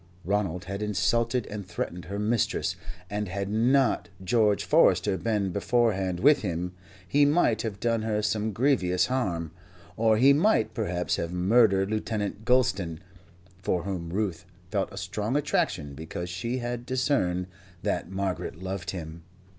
Ronald had insulted and threatened her mistress, and had not George Forester been beforehand with him, he might have done her some grievous harm, or he might perhaps have murdered Lieutenant Gulston, for whom Ruth felt a strong attraction because she had discerned that Margaret loved him.